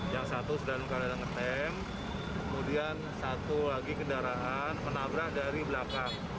yang satu sedang mengalami ketem kemudian satu lagi kendaraan menabrak dari belakang